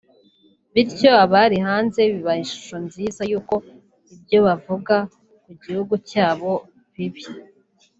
bityo abari hanze bibaha ishusho nziza y’uko ibyo bavuga ku gihugu cyabo bibi